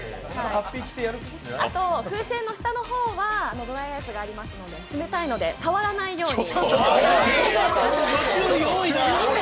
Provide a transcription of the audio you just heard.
あと、風船の下の方はドライアイスがありますので冷たいので触らないように。